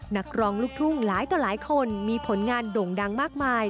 นักร้องลูกทุ่งหลายต่อหลายคนมีผลงานโด่งดังมากมาย